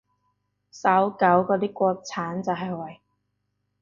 搜狗嗰啲國產就係為